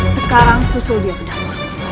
sekarang susul dia ke dapur